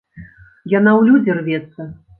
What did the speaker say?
Яна ў людзі рвецца.